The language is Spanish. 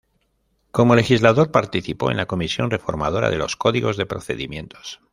Como legislador participó en la comisión reformadora de los códigos de procedimientos.